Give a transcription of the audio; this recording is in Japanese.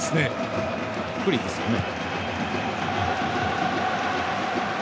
不利ですよね。